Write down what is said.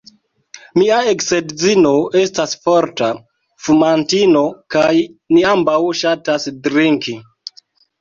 Mia eksedzino estas forta fumantino kaj ni ambaŭ ŝatas drinki.